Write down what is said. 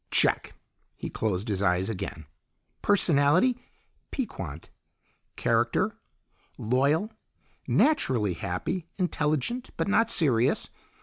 "Check!" He closed his eyes again. "Personality, piquant. Character, loyal, naturally happy, intelligent, but not serious.